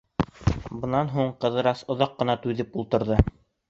Бынан һуң Ҡыҙырас оҙаҡ ҡына түҙеп ултырҙы.